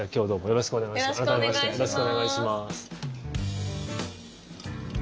よろしくお願いします。